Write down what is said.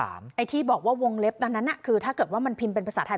ไอ้ที่บอกว่าวงเล็บตอนนั้นคือถ้าเกิดว่ามันพิมพ์เป็นภาษาไทย